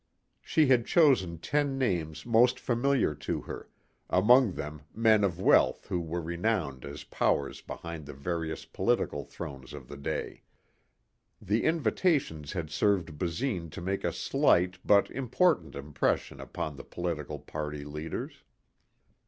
She had chosen ten names most familiar to her, among them men of wealth who were renowned as powers behind the various political thrones of the day. The invitations had served Basine to make a slight but important impression upon the political party leaders.